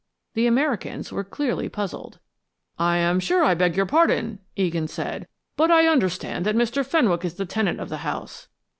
The Americans were clearly puzzled. "I am sure I beg your pardon," Egan said, "but I understand that Mr. Fenwick is the tenant of the house."